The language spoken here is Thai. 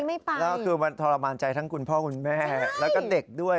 มันทรมานใจทั้งคุณพ่อคุณแม่แล้วก็เด็กด้วย